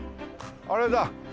あれだ。